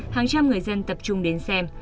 hàng trăm người dân tập trung đến xem